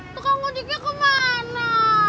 tukang gudiknya kemana